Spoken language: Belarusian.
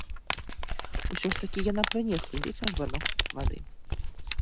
Усё ж такі яна прынесла дзецям жбанок вады.